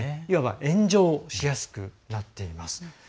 いわば炎上しやすくなっています。